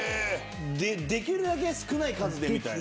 できるだけ少ない数でみたいな。